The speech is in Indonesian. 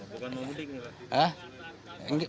bukan mau mudik pak